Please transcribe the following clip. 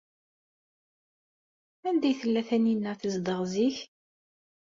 Anda ay tella Taninna tezdeɣ zik?